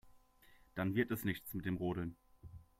Dann wird es nichts mit dem Rodeln.